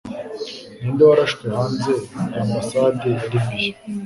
ninde warashwe hanze ya ambassade ya libiya